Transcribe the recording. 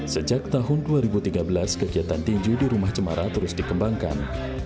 sejak tahun dua ribu tiga belas kegiatan tinju di rumah cemara terus dikembangkan